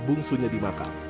bungsunya di makam